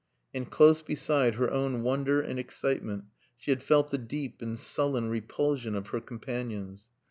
And close beside her own wonder and excitement she had felt the deep and sullen repulsion of her companions.